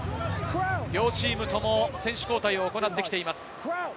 両チームとも選手交代を行ってきています。